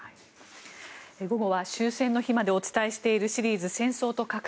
午後は終戦の日までお伝えしているシリーズ戦争と核。